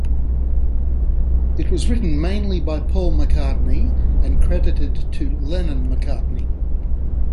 It was written mainly by Paul McCartney and credited to Lennon-McCartney.